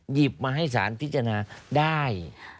หยิบมาให้สารพิจารณาได้